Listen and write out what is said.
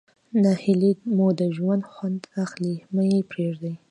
ناهلي مو د ژوند خوند اخلي مه ئې پرېږدئ.